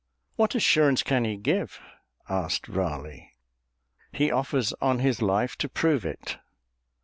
"What assurance can he give?" asked Raleigh. "He offers on his life to prove it."